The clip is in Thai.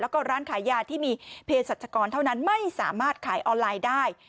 แล้วก็ร้านขายยาที่มีเพศสัชกรเท่านั้นไม่สามารถขายออนไลน์ได้